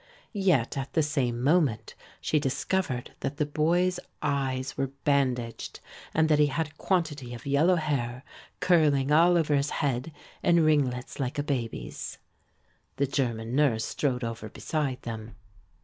Yet at the same moment she discovered that the boy's eyes were bandaged and that he had a quantity of yellow hair, curling all over his head in ringlets like a baby's. The German nurse strode over beside them.